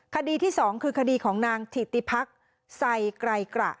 คดีที่๒คือคดีของนางถิติพักใส่ไกรกระ